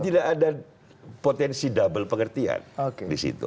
tidak ada potensi double pengertian di situ